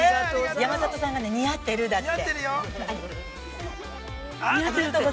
山里さんが、似合ってるだって。